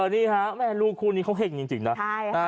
นี่ครับคุณแม่ลูกคู่นี่เขาเฮ็กจริงนะ